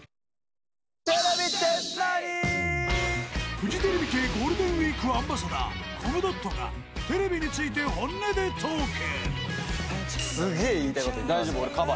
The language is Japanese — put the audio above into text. フジテレビ系ゴールデンウィークアンバサダーコムドットがテレビについて本音でトーク。